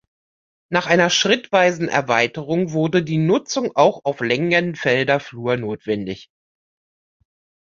Nach einer schrittweisen Erweiterung, wurde die Nutzung auch auf Lengenfelder Flur notwendig.